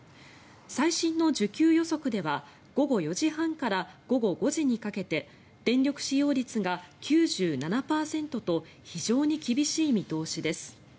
最新の需給予測では午後４時半から午後５時にかけて電力使用率が９７％と非常に厳しい見通しです。